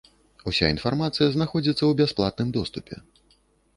Уся інфармацыя знаходзіцца ў бясплатным доступе.